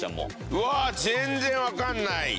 うわ全然分かんない！